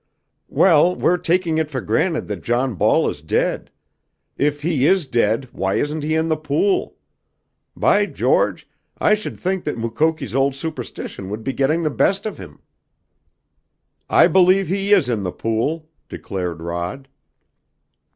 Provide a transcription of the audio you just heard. "Well, we're taking it for granted that John Ball is dead. If he is dead why isn't he in the pool? By George, I should think that Mukoki's old superstition would be getting the best of him!" "I believe he is in the pool!" declared Rod.